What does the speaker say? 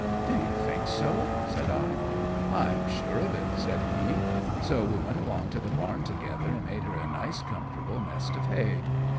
"Do you think so?" said I. "I'm sure of it," said he; so we went along to the barn together and made her a nice comfortable nest of hay.